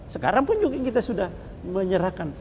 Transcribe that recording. sekarang pun juga kita sudah menyerahkan